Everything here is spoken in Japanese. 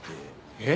えっ！？